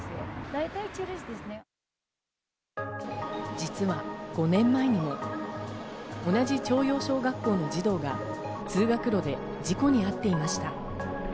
実は５年前にも同じ朝陽小学校の児童が通学路で事故に遭っていました。